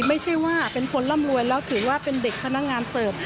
ไม่ใช่ว่าเป็นคนร่ำรวยแล้วถือว่าเป็นเด็กพนักงานเสิร์ฟ